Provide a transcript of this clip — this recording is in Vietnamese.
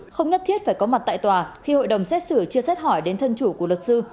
không nhất thiết phải có mặt tại tòa khi hội đồng xét xử chưa xét hỏi đến thân chủ của luật sư